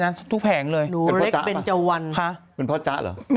ขอแม่พุ่งพวงที่จะค่อนข้างจะมาทุกปี